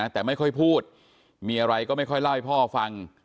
แต่ไม่ค่อยพูดมีอะไรก็ไม่ค่อยเล่าให้พ่อฟัง